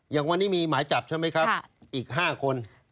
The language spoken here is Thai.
อย่างวันนี้มีหมายจับใช่ไหมครับอีก๕คน